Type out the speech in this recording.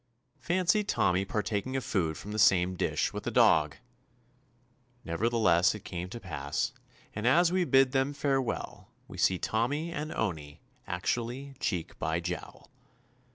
Fancy Tommy partaking of food from the same dish with a dog ! Nevertheless, it came to pass, and as we bid them farewell we see Tommy and Owney 229 TOMMY POSTOFFICE actually "cheek by jowl."